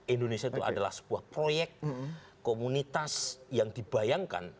indonesia itu adalah sebuah proyek komunitas yang dibayangkan